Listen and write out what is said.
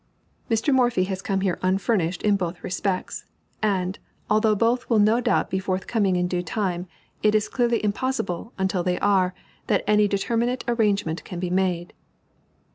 Mr. Morphy has come here unfurnished in both respects; and, although both will no doubt be forthcoming in due time, it is clearly impossible, until they are, that any determinate arrangement can be made.